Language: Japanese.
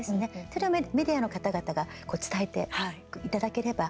それをメディアの方々が伝えていただければ。